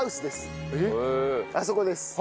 あそこです。